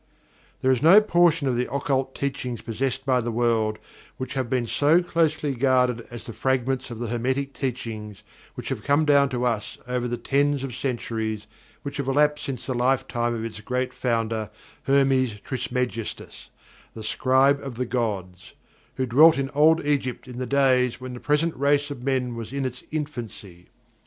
There is no portion of the occult teachings possessed by the world which have been so closely guarded as the fragments of the Hermetic Teachings which have come down to us over the tens of centuries which have elapsed since the lifetime of its great founder, Hermes Trismegistus, the "scribe of the gods," who dwelt in old Egypt in the days when the present race of men was in its infancy.